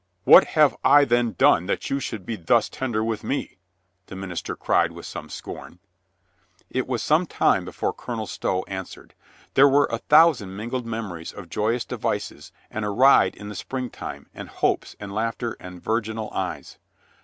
"What have I then done that you should be thus tender with me?" the minister cried with some scorn. It was some time before Colonel Stow answered. There were a thousand mingled memories of joy ous devices and a ride in the springtime and hopes and laughter and virginal eyes.